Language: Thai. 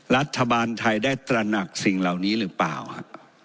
รัฐบาลไทยได้ตระหนักสิ่งเหล่านี้หรือเปล่าครับ